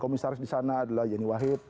komisaris di sana adalah yeni wahid